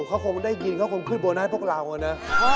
เขาคงได้ยินเขาคงขึ้นบนให้พวกเรานะ